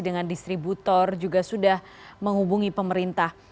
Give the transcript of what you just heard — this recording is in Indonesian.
dengan distributor juga sudah menghubungi pemerintah